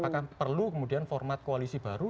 dan perlu kemudian format koalisi baru